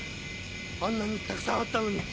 あんなにたくさんあったのに。